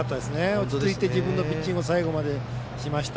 落ち着いて自分のピッチングを最後までしました。